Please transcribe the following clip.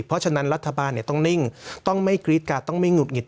เพราะฉะนั้นรัฐบาลต้องนิ่งต้องไม่กรี๊ดการ์ดต้องไม่หุดหิด